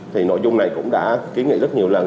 thì nội dung này cũng đã kiến nghị rất nhiều lần